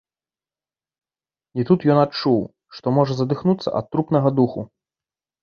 І тут ён адчуў, што можа задыхнуцца ад трупнага духу.